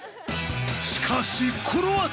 しかしこのあと。